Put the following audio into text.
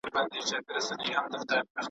یوې لويی زړې وني ته دمه سول .